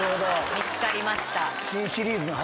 見つかりました。